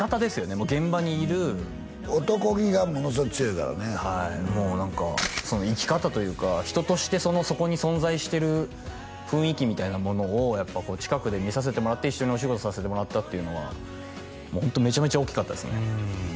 もう現場にいる男気がものすごい強いからねはいもう何かその生き方というか人としてそこに存在してる雰囲気みたいなものを近くで見させてもらって一緒にお仕事させてもらったっていうのはもうホントメチャメチャ大きかったですね